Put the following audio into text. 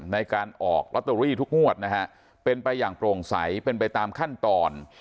ในการออกลอตเตอรี่ทุกงวดนะฮะเป็นไปอย่างโปร่งใสเป็นไปตามขั้นตอน